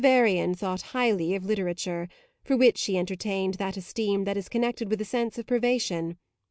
Varian thought highly of literature, for which she entertained that esteem that is connected with a sense of privation.